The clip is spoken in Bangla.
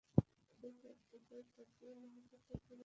সে চার দিকের প্রতি ন্যায়বিচার করে না, তার বিচার নিজের প্রতিই।